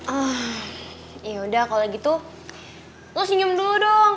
ah ya udah kalau gitu lo senyum dulu dong